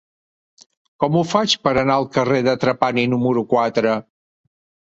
Com ho faig per anar al carrer de Trapani número quatre?